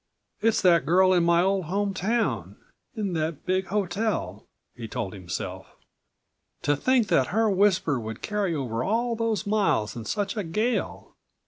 "It's that girl in my old home town, in that big hotel," he told himself. "To think that her whisper would carry over all those miles in such a gale!